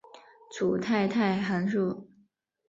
组态态函数。